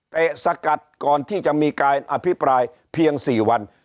สกัดก่อนที่จะมีการอภิปรายเพียง๔วัน